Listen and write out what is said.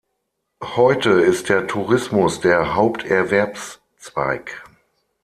Heute ist der Tourismus der Haupterwerbszweig.